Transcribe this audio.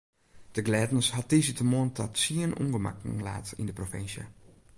De glêdens hat tiissdeitemoarn ta tsien ûngemakken laat yn de provinsje.